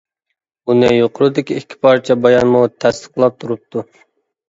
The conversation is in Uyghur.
بۇنى يۇقىرىدىكى ئىككى پارچە بايانمۇ تەستىقلاپ تۇرۇپتۇ.